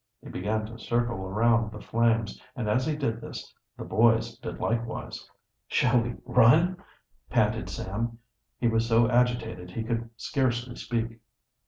He began to circle around the flames, and as he did this, the boys did likewise. "Shall we run?" panted Sam. He was so agitated he could scarcely speak.